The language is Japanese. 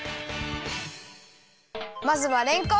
まずはれんこん。